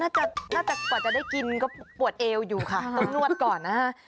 น่าจะกว่าจะได้กินก็ปวดเอวอยู่ค่ะต้องนวดก่อนนะฮะ